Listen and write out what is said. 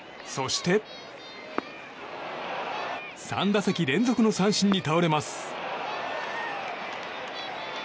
３打席連続の三振に倒れます。